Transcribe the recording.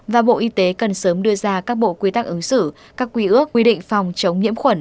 và bộ y tế cần sớm đưa ra các bộ quy tắc ứng xử các quy ước quy định phòng chống nhiễm khuẩn